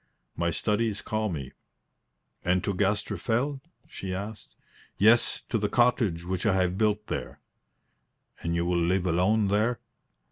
"My studies call me." "And to Gaster Fell?" she asked. "Yes; to the cottage which I have built there." "And you will live alone there?"